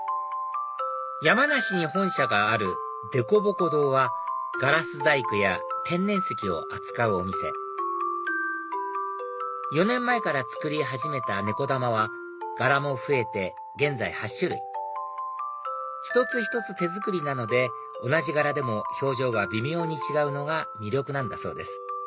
山梨に本社がある凸凹堂はガラス細工や天然石を扱うお店４年前から作り始めたねこ玉は柄も増えて現在８種類一つ一つ手作りなので同じ柄でも表情が微妙に違うのが魅力なんだそうです